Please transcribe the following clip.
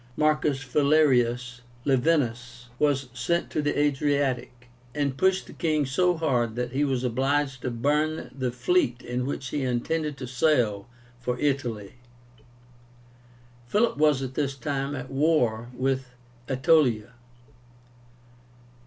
Marcus Valerius Laevinus was sent to the Adriatic, and pushed the king so hard that he was obliged to burn the fleet in which he intended to sail for Italy. Philip was at this time at war with Aetolia.